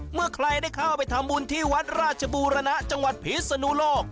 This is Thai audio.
เมื่อใครได้เข้าไปทำบุญที่วัดราชบูรณะจังหวัดพิศนุโลก